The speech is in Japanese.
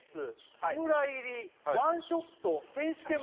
日村入りワンショット選手権